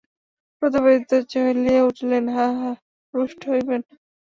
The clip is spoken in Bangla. প্রতাপাদিত্য জ্বলিয়া উঠিলেন, হাঁ হাঁ রুষ্ট হইবেন!